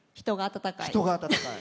人が温かい。